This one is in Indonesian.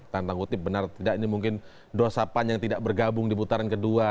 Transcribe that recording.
tanda kutip benar tidak ini mungkin dosa pan yang tidak bergabung di putaran kedua